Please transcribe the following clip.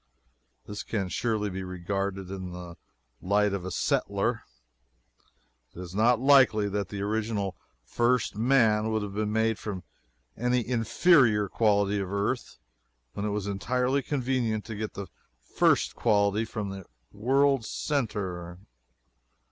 This can surely be regarded in the light of a settler. It is not likely that the original first man would have been made from an inferior quality of earth when it was entirely convenient to get first quality from the world's centre.